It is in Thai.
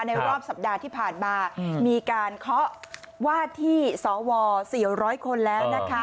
รอบสัปดาห์ที่ผ่านมามีการเคาะวาดที่สว๔๐๐คนแล้วนะคะ